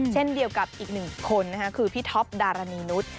เช่นเดียวกับอีกหนึ่งคนนะคะคือพี่ท็อปดารณีนุษย์